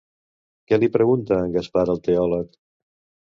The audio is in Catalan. Què li pregunta en Gaspar al teòleg?